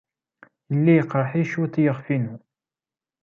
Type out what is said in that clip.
Yella yeqreḥ-iyi cwiṭ yiɣef-inu.